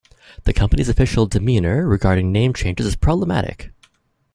The company's official demeanour regarding name changes is problematic.